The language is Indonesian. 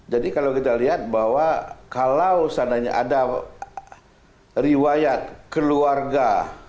jadi kalau kita lihat bahwa kalau seandainya ada riwayat keluarga